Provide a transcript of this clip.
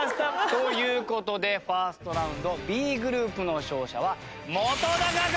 という事で１ｓｔラウンドＢグループの勝者は本君！